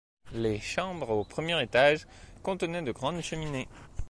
Les chambres, au premier étage, contenaient de grandes cheminées.